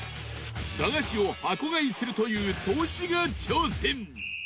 駄菓子を箱買いするというトシが挑戦